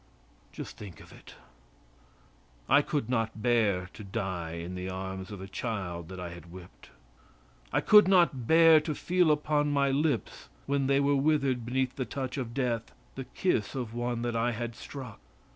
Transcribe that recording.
Just think of it. I could not bear to die in the arms of a child that I had whipped. I could not bear to feel upon my lips, when they were withered beneath the touch of death, the kiss of one that I had struck.